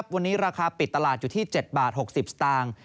วันนี้ราคาปิดตลาดอยู่ที่๗บาท๖๐สตางค์